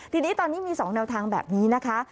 ทีนี้ตอนนี้มี๒แนวทางแบบนี้นะคะ